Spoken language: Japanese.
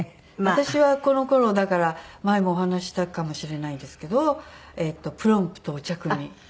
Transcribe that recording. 私はこの頃だから前もお話ししたかもしれないですけどプロンプとお茶くみ。